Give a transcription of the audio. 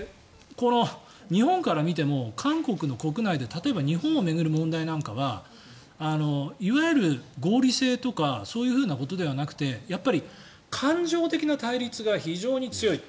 日本から見ても韓国の国内で例えば日本を巡る問題なんかはいわゆる合理性とかそういうふうなことではなくて感情的な対立が非常に強い。